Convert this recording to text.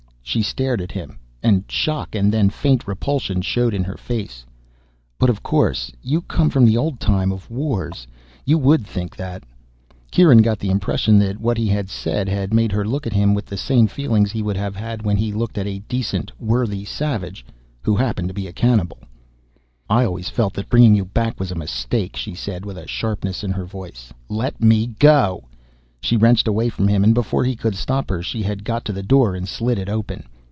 She stared at him, and shock and then faint repulsion showed in her face. "But of course, you come from the old time of wars, you would think that " Kieran got the impression that what he had said had made her look at him with the same feelings he would have had when he looked at a decent, worthy savage who happened to be a cannibal. "I always felt that bringing you back was a mistake," she said, with a sharpness in her voice. "Let me go." She wrenched away from him and before he could stop her she had got to the door and slid it open.